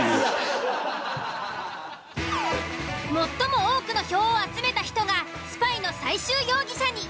最も多くの票を集めた人がスパイの最終容疑者に。